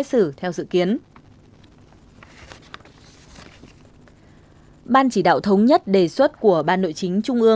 theo đó việc xây dựng đề án và dự thảo chỉ thị của bộ chính trị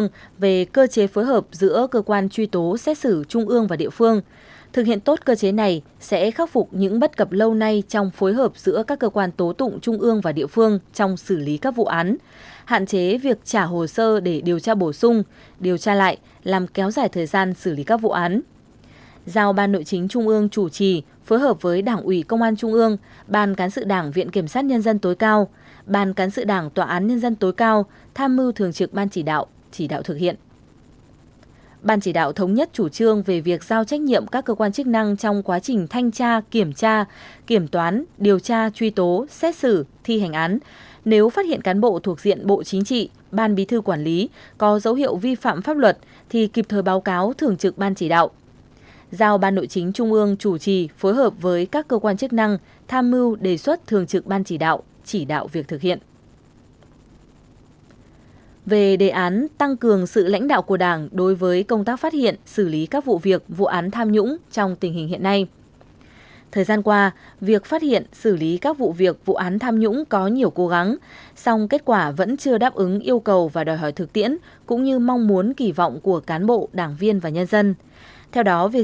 về tăng cường sự lãnh đạo của đảng đối với công tác phát hiện xử lý các vụ việc vụ án tham nhũng trong tình hình hiện nay là cần thiết